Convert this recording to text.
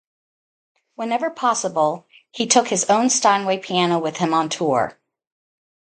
Whenever possible he took his own Steinway piano with him on tour.